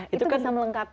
itu bisa melengkapi